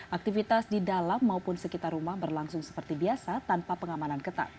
aktivitas di dalam maupun sekitar rumah berlangsung seperti biasa tanpa pengamanan ketat